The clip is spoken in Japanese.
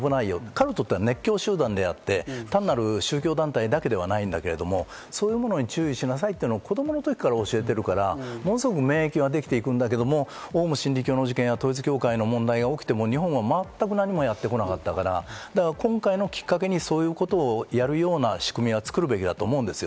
カルトって熱狂集団であって、単なる宗教団体だけではないんだけれども、そういうものに注意しなさいと子供の時から教えているから、ものすごく免疫ができていくんだけれども、オウム真理教の事件や統一教会の問題が起きても日本は全く何もやってこなかったから今回のをきっかけにそういうことをやるような仕組みを作るべきだと思うんです。